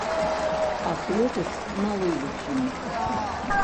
А хлопец малы зусім.